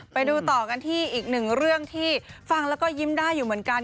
ไปดูต่อกันที่อีกหนึ่งเรื่องที่ฟังแล้วก็ยิ้มได้อยู่เหมือนกัน